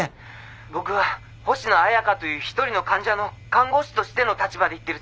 ☎僕は星野彩佳という一人の患者の看護師としての立場で言ってるつもりです。